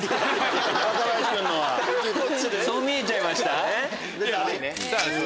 そう見えちゃいました？